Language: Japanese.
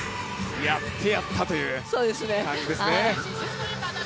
やってやった！という感じですね。